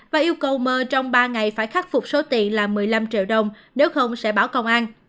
và yêu cầu mờ trong ba ngày phải khắc phục số tiền là một mươi năm triệu đồng nếu không sẽ báo công an